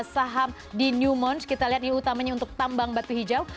saham di newmont kita lihat ini utamanya untuk tambang batu hijau